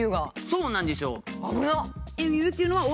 そうなんですよ。